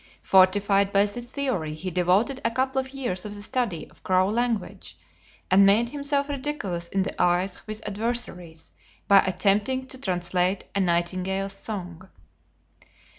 Fortified by this theory he devoted a couple of years to the study of crow language, and made himself ridiculous in the eyes of his adversaries by attempting to translate a nightingale's song.